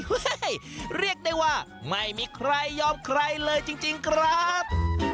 เรียกได้ว่าไม่มีใครยอมใครเลยจริงครับ